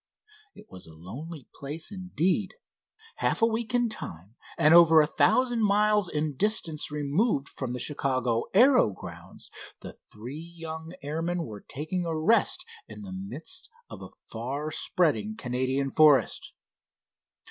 It was a lonely place, indeed. Half a week in time and over a thousand miles in distance removed from the Chicago aero grounds, the three young airmen were taking a rest in the midst of a far spreading Canadian forest.